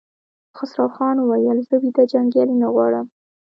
خسروخان وويل: زه ويده جنګيالي نه غواړم!